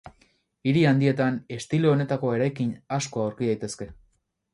Hiri handietan, estilo honetako eraikin asko aurki daitezke.